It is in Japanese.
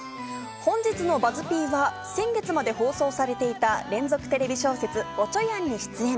本日のＢＵＺＺ−Ｐは先月まで放送されていた連続テレビ小説『おちょやん』に出演。